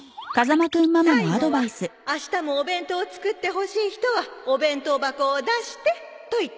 最後は「明日もお弁当を作ってほしい人はお弁当箱を出して」と言ってください。